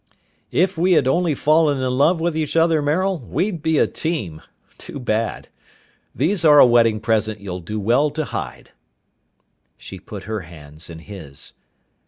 "If we had only fallen in love with each other, Maril, we'd be a team! Too bad! These are a wedding present you'll do well to hide." She put her hands in his.